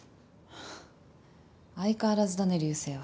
はぁ相変わらずだね流星は。